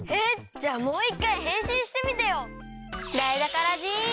じゃあもういっかいへんしんしてみてよ！